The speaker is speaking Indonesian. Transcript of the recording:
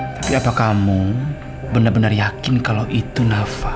tapi apa kamu bener bener yakin kalau itu nafa